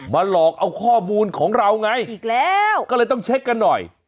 หลอกเอาข้อมูลของเราไงอีกแล้วก็เลยต้องเช็คกันหน่อย